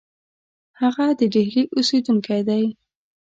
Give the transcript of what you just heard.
هغه د ډهلي اوسېدونکی دی.